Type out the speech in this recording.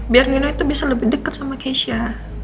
biar nino itu bisa lebih dekat sama keisha